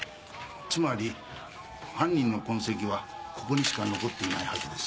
つまり犯人の痕跡はここにしか残っていないはずです。